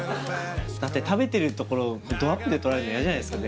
だって食べてるところをどアップで撮られるの嫌じゃないですか？